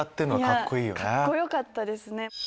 カッコよかったですね。